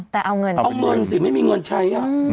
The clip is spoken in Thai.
แต่เอาเงินใช่มั้ยนะเอาเงินไม่มีเงินใช้